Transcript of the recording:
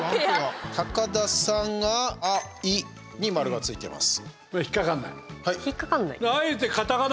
高田さんが「ア」、「イ」に丸がついてます。